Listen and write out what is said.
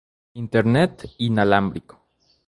Internet inalámbrico.